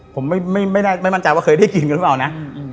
ผมไม่มั่นใจว่าเคยได้กินกันหรือเปล่านะ